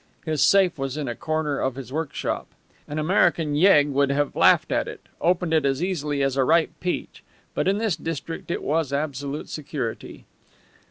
His safe was in a corner of his workshop. An American yegg would have laughed at it, opened it as easily as a ripe peach; but in this district it was absolute security.